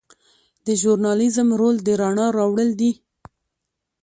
د ژورنالیزم رول د رڼا راوړل دي.